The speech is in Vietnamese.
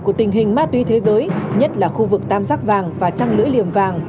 của tình hình ma túy thế giới nhất là khu vực tam giác vàng và trăng lưỡi liềm vàng